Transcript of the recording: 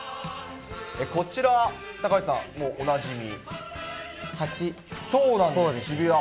こちら、高橋さん、もうおなじみ。